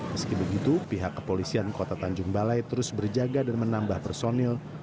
meski begitu pihak kepolisian kota tanjung balai terus berjaga dan menambah personil